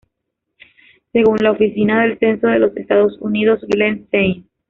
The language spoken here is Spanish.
Según la Oficina del Censo de los Estados Unidos, Glen St.